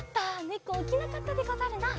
ねこおきなかったでござるな。